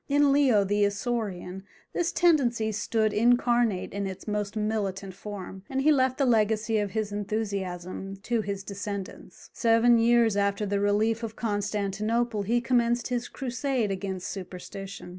In Leo the Isaurian this tendency stood incarnate in its most militant form, and he left the legacy of his enthusiasm to his descendants. Seven years after the relief of Constantinople he commenced his crusade against superstition.